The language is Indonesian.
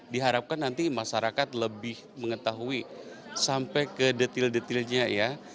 diharapkan nanti masyarakat lebih mengetahui sampai ke detail detailnya ya